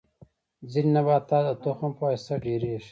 ځینې نباتات د تخم په واسطه ډیریږي